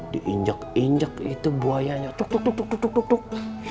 diinjak injak itu buayanya tuk tuk tuk